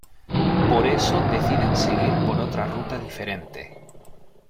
Por eso, deciden seguir por otra ruta diferente.